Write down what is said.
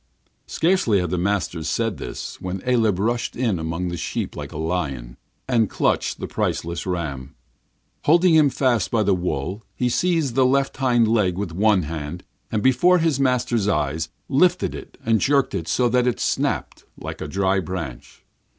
Scarcely had the master said this, when Aleb rushed in among the sheep like a lion, and clutched the priceless ram. Holding him fast by the wool, he seized the left hind leg with one hand, and, before his master's eyes, lifted it and jerked it so that it snapped like a dry branch.